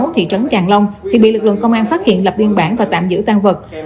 thị trấn tràng long thì bị lực lượng công an phát hiện lập biên bản và tạm giữ tăng vật